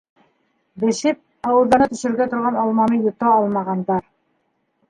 Бешеп, ауыҙҙарына төшөргә торған алманы йота алмағандар.